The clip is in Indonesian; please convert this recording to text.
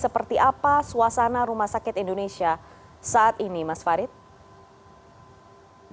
seperti apa suasana rumah sakit indonesia saat ini mas farid